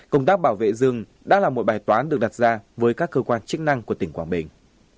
công tác bảo vệ rừng đã là một bài toán được đặt ra với các cơ quan chức năng của tỉnh quảng bình